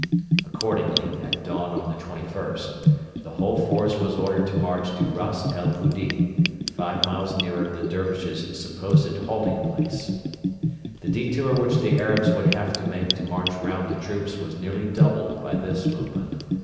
Accordingly, at dawn on the 21st, the whole force was ordered to march to Ras el Hudi, five miles nearer the Dervishes' supposed halting place. The detour which the Arabs would have to make to march round the troops was nearly doubled by this movement.